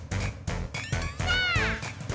さあ！